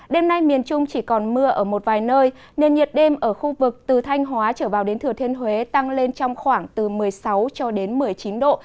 đêm nay miền trung chỉ còn mưa ở một vài nơi nên nhiệt đêm ở khu vực từ thanh hóa trở vào đến thừa thiên huế tăng lên trong khoảng từ một mươi sáu cho đến một mươi chín độ